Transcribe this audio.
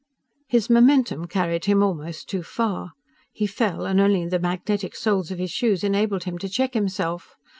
His momentum carried him almost too far. He fell, and only the magnetic soles of his shoes enabled him to check himself.